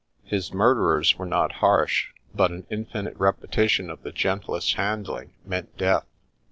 His murderers were not harsh, but an infinite repetition of the gentlest handling meant death.